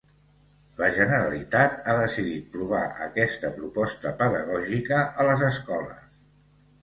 La Generalitat ha decidit provar aquesta proposta pedagògica a les escoles.